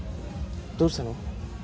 どうしたの？